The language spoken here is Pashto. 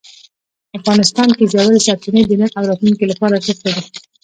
افغانستان کې ژورې سرچینې د نن او راتلونکي لپاره ارزښت لري.